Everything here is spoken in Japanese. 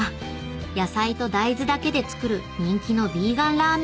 ［野菜と大豆だけで作る人気のヴィーガンラーメン店］